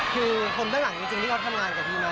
คือคนเบื้องหลังจริงที่เขาทำงานกับทีมนั้น